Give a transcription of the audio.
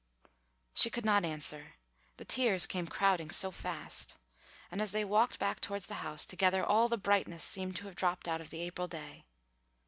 She could not answer, the tears came crowding so fast, and as they walked back towards the house together all the brightness seemed to have dropped out of the April day.